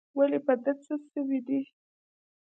ولي په ده څه سوي دي؟